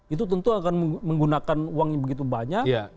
itu tentu akan menggunakan uang yang begitu banyak